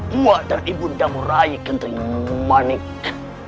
buah dan ibunda murai kenteri manik